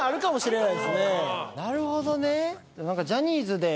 なるほどね